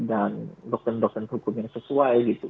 dan dokter dokter hukum yang sesuai gitu